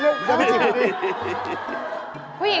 ถ้าเป็นปากถ้าเป็นปาก